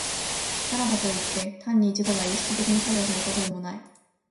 さらばといって、単に自己が意識的に作用することでもない。